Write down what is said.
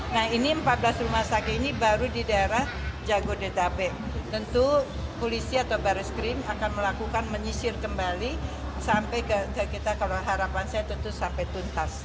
nah ini empat belas rumah sakit ini baru di daerah jabodetabek tentu polisi atau baris krim akan melakukan menyisir kembali sampai ke kita kalau harapan saya tentu sampai tuntas